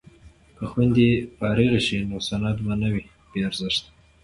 که خویندې فارغې شي نو سند به نه وي بې ارزښته.